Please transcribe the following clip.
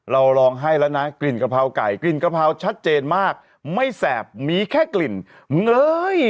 ลองให้แล้วนะกลิ่นกะเพราไก่กลิ่นกะเพราชัดเจนมากไม่แสบมีแค่กลิ่นเงย